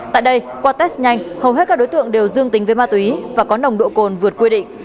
tại đây qua test nhanh hầu hết các đối tượng đều dương tính với ma túy và có nồng độ cồn vượt quy định